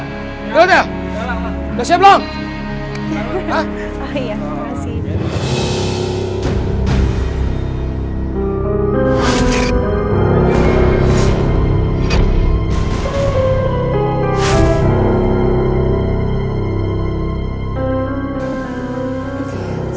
sesuai perintah nanggrach aku harus menghabisi sinta